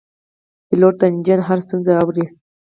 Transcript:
پیلوټ د انجن هره ستونزه اوري.